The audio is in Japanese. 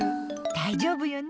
大丈夫よね？